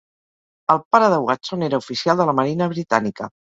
El pare de Watson era oficial de la Marina Britànica.